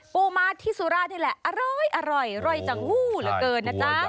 ปูม้าที่สุราธานีนี่แหละอร่อยรอยจังหู้เหลือเกินนะครับ